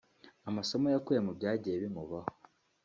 Amasomo yakuye mu byagiye bimubaho